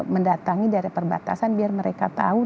mendatangi dari perbatasan biar mereka tahu